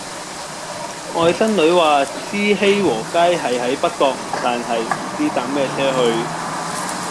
外甥女話知熙和街係喺北角但係唔知搭咩野車去